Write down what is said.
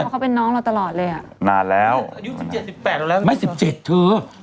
เราเข้าใจว่าเขาเป็นน้องเราตลอดเลยอ่ะ